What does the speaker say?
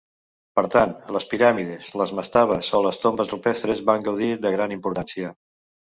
Per tant, les piràmides, les mastabes o les tombes rupestres van gaudir de gran importància.